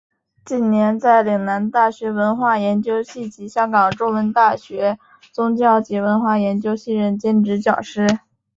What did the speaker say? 近年在岭南大学文化研究系及香港中文大学宗教及文化研究系任兼职讲师。